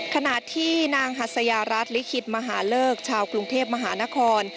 ขณะที่นางหัสยารัฐลิขิตมหาเลิกชาวกรุงเทพมหานคร